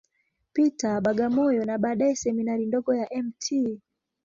Peter, Bagamoyo, na baadaye Seminari ndogo ya Mt.